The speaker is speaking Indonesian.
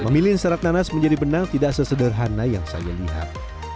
memilih serat nanas menjadi benang tidak sesederhana yang saya lihat